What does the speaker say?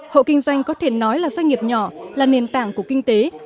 hộ kinh doanh có thể nói là doanh nghiệp nhỏ là nền tảng của kinh tế